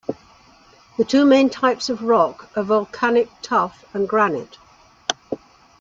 The two main types of rock are volcanic tuff and granite.